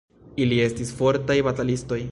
Ili estis fortaj batalistoj.